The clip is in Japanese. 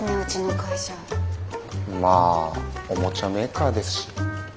まあおもちゃメーカーですし。